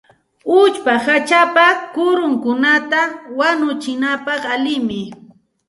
Uchpaqa hachapa kurunkunata wanuchinapaq allinmi.